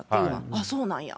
ああ、そうなんや。